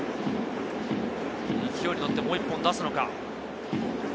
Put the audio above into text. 勢いに乗ってもう１本出すのか？